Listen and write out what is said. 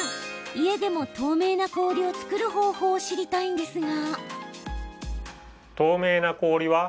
家でも透明な氷を作る方法を知りたいんですが。